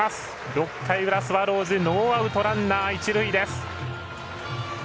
６回裏、スワローズノーアウト、ランナー、一塁です。